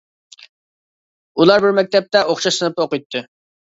ئۇلار بىر مەكتەپتە، ئوخشاش سىنىپتا ئوقۇيتتى.